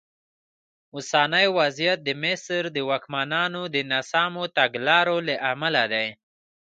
اوسنی وضعیت د مصر د واکمنانو د ناسمو تګلارو له امله دی.